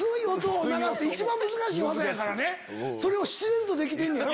それを自然とできてんねやろ。